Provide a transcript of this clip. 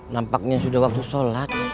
nampaknya sudah waktu sholat